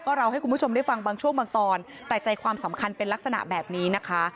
เราให้คุณผู้ชมได้ฟังบางช่วงบางตอนแต่ใจความสำคัญเป็นลักษณะแบบนี้นะคะ